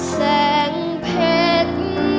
แสงเผ็ด